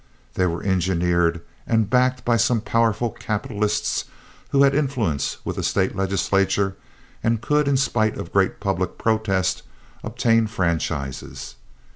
They were engineered and backed by some powerful capitalists who had influence with the State legislature and could, in spite of great public protest, obtain franchises.